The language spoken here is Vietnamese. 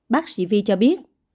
bác sĩ vi cho biết